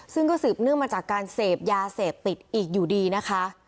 ซึ่งก็สืบเนื่องมาจากการเสพยาเสพติดอีกอยู่ดีนะคะ